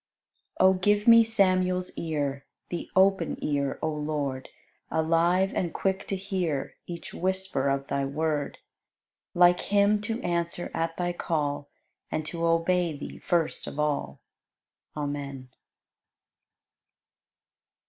91. O give me Samuel's ear, The open ear, O Lord, Alive and quick to hear Each whisper of Thy Word, Like him to answer at Thy call, And to obey Thee first of all. Amen.